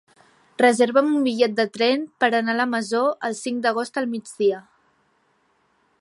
Reserva'm un bitllet de tren per anar a la Masó el cinc d'agost al migdia.